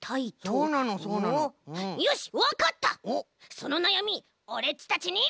そのなやみオレっちたちに。